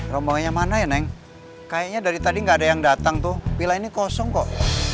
rombongannya mana ya neng kayaknya dari tadi nggak ada yang datang tuh pilah ini kosong kok